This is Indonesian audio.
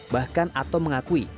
bahkan ato mengakui